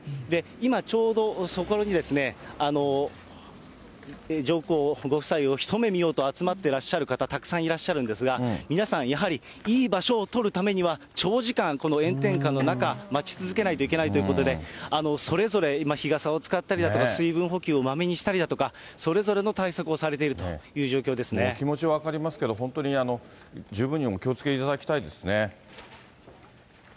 今、ちょうどそこに上皇ご夫妻を一目見ようと集まってらっしゃる方、たくさんいらっしゃるんですが、皆さんやはり、いい場所を取るためには、長時間、この炎天下の中、待ち続けないといけないということで、それぞれ今、日傘を使ったりだとか、水分補給をまめにしたりだとか、それぞれの対策をされているといお気持ちは分かりますけど、本当に十分にお気をつけいただきたいですね。